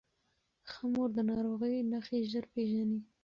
ښه مور د ناروغۍ نښې ژر پیژني.